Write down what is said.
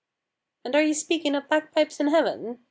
"And are ye speaking o' bagpipes in Heaven?